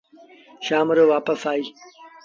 شآم رو وآپس آئيٚس